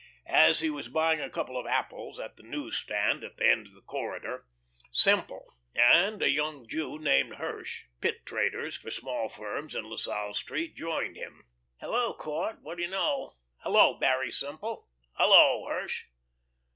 As he was buying a couple of apples at the news stand at the end of the corridor, Semple and a young Jew named Hirsch, Pit traders for small firms in La Salle Street, joined him. "Hello, Court, what do you know?" "Hello, Barry Semple! Hello, Hirsch!"